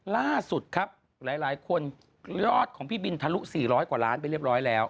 ล่าสุดครับหลายคนยอดของพี่บินทะลุ๔๐๐กว่าล้านไปเรียบร้อยแล้ว